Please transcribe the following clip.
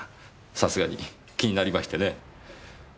さすがに気になりましてね。